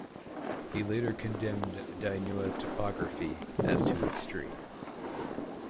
He later condemned "Die neue Typographie" as too extreme.